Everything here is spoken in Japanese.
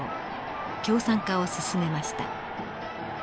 共産化を進めました。